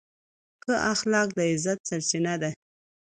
ښه اخلاق د عزت سرچینه ده.